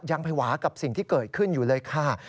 ยังภาวะกับสิ่งที่เกิดขึ้นอยู่เลยค่ะ